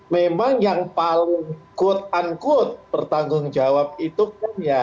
memang yang paling quote unquote bertanggung jawab itu kan ya